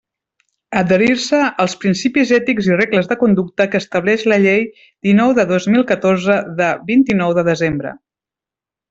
Adherir-se als principis ètics i regles de conducta que estableix la Llei dinou de dos mil catorze, de vint-i-nou de desembre.